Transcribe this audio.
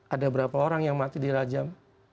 ada berapa orang yang mati di rajam